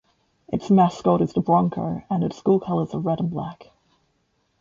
Its mascot is the Broncho and its school colors are red and black.